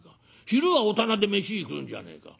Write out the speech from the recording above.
昼は御店で飯食うんじゃねえか。